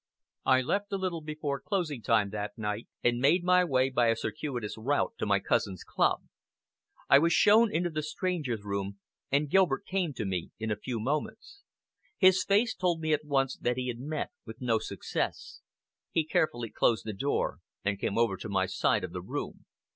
I left a little before closing time that night, and made my way, by a circuitous route, to my cousin's club. I was shown into the strangers' room, and Gilbert came to me in a few moments. His face told me at once that he had met with no success. He carefully closed the door, and came over to my side of the room.